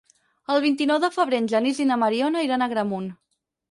El vint-i-nou de febrer en Genís i na Mariona iran a Agramunt.